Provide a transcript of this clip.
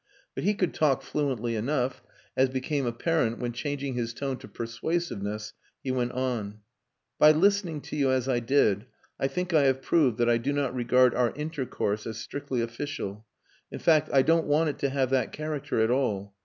But he could talk fluently enough, as became apparent when changing his tone to persuasiveness he went on: "By listening to you as I did, I think I have proved that I do not regard our intercourse as strictly official. In fact, I don't want it to have that character at all....